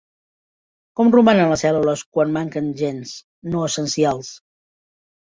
Com romanen les cèl·lules quan manquen gens "no essencials"?